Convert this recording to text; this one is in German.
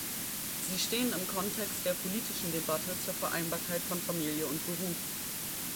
Sie stehen im Kontext der politischen Debatte zur Vereinbarkeit von Familie und Beruf.